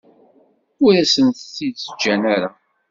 Ur asent-t-id-ǧǧan ara.